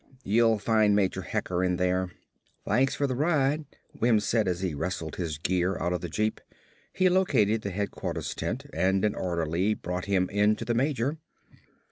"You'll find Major Hecker in there." "Thanks fer the ride," Wims said as he wrestled his gear out of the jeep. He located the headquarters tent and an orderly brought him in to the major.